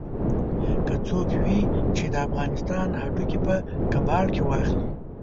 که څوک وي چې د افغانستان هډوکي په کباړ کې واخلي.